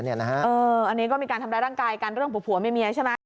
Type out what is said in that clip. อันนี้ก็มีการทำร้ายร่างกายกันเรื่องผัวเมียใช่ไหม